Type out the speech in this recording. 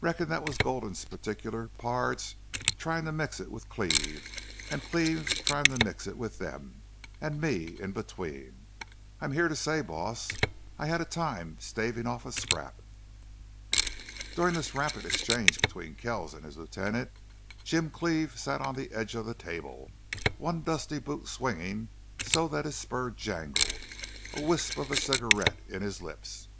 "Reckon that was Gulden's particular pards tryin' to mix it with Cleve an' Cleve tryin' to mix it with them an' ME in between!... I'm here to say, boss, that I had a time stavin' off a scrap." During this rapid exchange between Kells and his lieutenant, Jim Cleve sat on the edge of the table, one dusty boot swinging so that his spur jangled, a wisp of a cigarette in his lips.